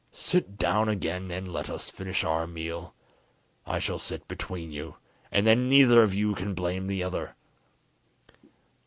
Sit down again, and let us finish our meal; I shall sit between you, and then neither of you can blame the other."